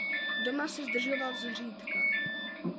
Doma se zdržoval zřídka.